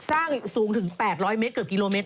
สูงถึง๘๐๐เมตรเกือบกิโลเมตร